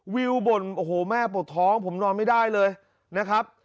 วิวบ่นโอ้โหแม่ปวดท้องผมนอนไม่ได้เลยนะครับ